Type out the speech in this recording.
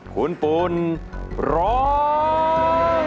คุณปุ่นร้อง